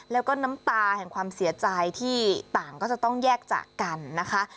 แล้วก็น้ำตาแห่งความเสียใจที่ต่างก็จะต้องแยกจากกันนะคะ